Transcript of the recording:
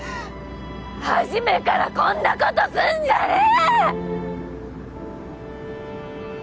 はじめからこんなことすんじゃねえ！